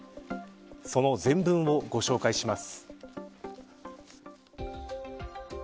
その全文をご紹介します。